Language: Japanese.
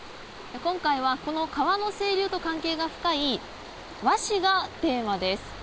今回は、この川の清流と関係が深い和紙がテーマです。